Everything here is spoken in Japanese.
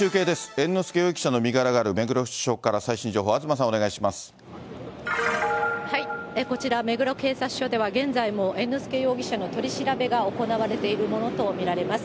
猿之助容疑者の身柄がある目黒署から最新情報、東さん、こちら、目黒警察署では、現在も猿之助容疑者の取り調べが行われているものと見られます。